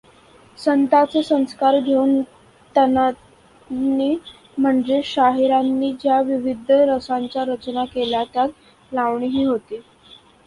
संतांचे संस्कार घेऊन तंतांनी म्हणजे शाहिरांनी ज्या विविध रसांच्या रचना केल्या त्यात लावणीही होती.